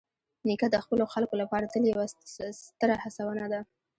نیکه د خپلو خلکو لپاره تل یوه ستره هڅونه ده.